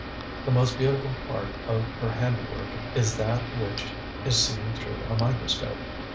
The most beautiful part of her handiwork is that which is seen through a microscope.